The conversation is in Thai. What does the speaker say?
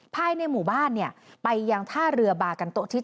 ภายในหมู่บ้านเนี่ยไปยังท่าเรือบากันโต๊ทิศ